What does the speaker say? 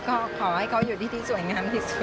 ก็ขอให้เขาอยู่ที่ที่สวยงามที่สุด